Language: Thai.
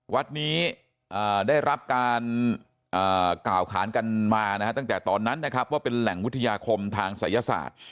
วัดนี้ได้รับการกล่าวขานกันมานะฮะตั้งแต่ตอนนั้นนะครับว่าเป็นแหล่งวิทยาคมทางศัยศาสตร์